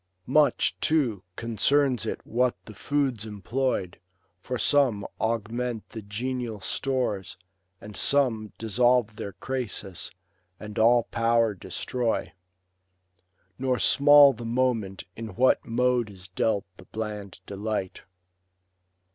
Much, too, concerns it what the foods employed ; For some augment the genial stores, and some Dissolve their crasis, and all power destroy. Nor small the moment in what mode is dealt The bland delight.